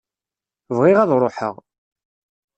Bɣiɣ ad ruḥeɣ.